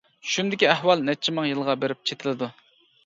چۈشۈمدىكى ئەھۋال نەچچە مىڭ يىلغا بېرىپ چېتىلىدۇ.